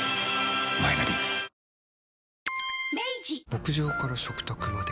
牧場から食卓まで。